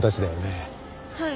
はい。